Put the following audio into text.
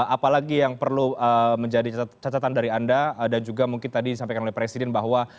apalagi yang perlu menjadi catatan dari anda dan juga mungkin tadi disampaikan oleh presiden bahwa